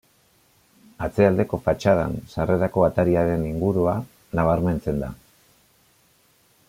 Atzealdeko fatxadan sarrerako atariaren ingurua nabarmentzen da.